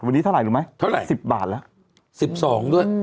วันนี้เท่าไรรู้ไหมเท่าไรสิบบาทแล้วสิบสองด้วยอืม